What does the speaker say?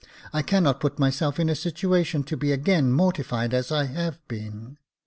I cannot put myself in a situation to be again mortified as I have been.